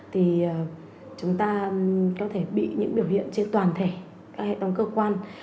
thì chúng ta có thể bị những biểu hiện trên toàn thể các hệ thống cơ quan